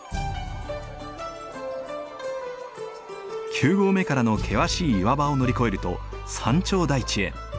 九合目からの険しい岩場を乗り越えると山頂台地へ。